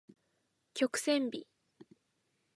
曲線美